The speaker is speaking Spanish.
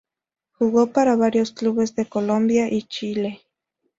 Jugó para varios clubes de Colombia y Chile.